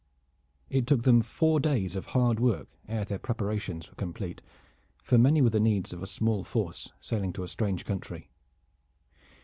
It took them four days of hard work ere their preparations were complete, for many were the needs of a small force sailing to a strange country.